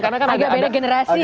agak beda generasi gitu ya